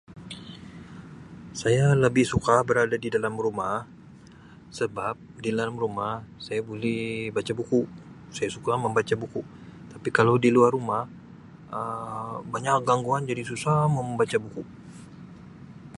Saya lebih suka berada di dalam rumah sebab di dalam rumah saya boleh baca buku saya suka membaca buku tapi kalau di luar rumah Um banyak gangguan jadi susah mau membaca buku.